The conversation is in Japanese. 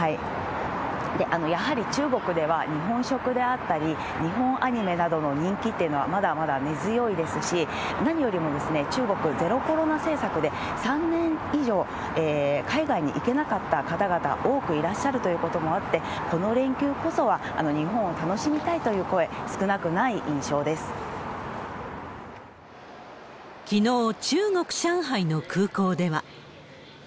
やはり中国では、日本食であったり、日本アニメなどの人気というのはまだまだ根強いですし、何よりも中国、ゼロコロナ政策で３年以上海外に行けなかった方々、多くいらっしゃるということもあって、この連休こそは日本を楽しみたいという声、きのう、中国・上海の空港では。